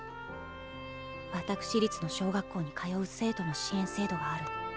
私立の小学校に通う生徒の支援制度がある。